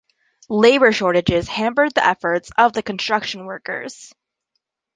Labour shortages hampered the efforts of the construction workers.